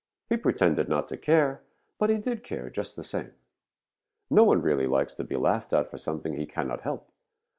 He pretended not to care, but he did care, just the same. No one really likes to be laughed at for something he cannot help.